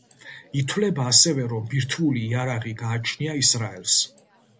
ითვლება, ასევე, რომ ბირთვული იარაღი გააჩნია ისრაელს.